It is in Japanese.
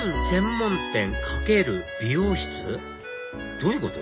どういうこと？